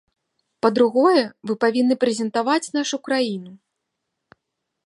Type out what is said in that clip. Па-другое, вы павінны прэзентаваць нашу краіну.